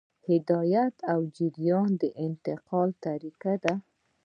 هدایت او جریان د انتقال طریقې دي.